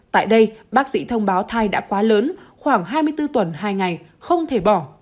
tại đây bác sĩ thông báo thai đã quá lớn khoảng hai mươi bốn tuần hai ngày không thể bỏ